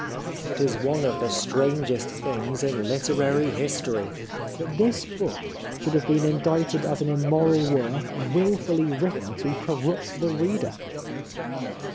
It is one of the strangest things in literary history that this book should have been indicted as an immoral work wilfully written to corrupt the reader.